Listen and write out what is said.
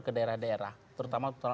ke daerah daerah terutama